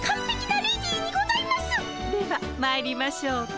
ではまいりましょうか。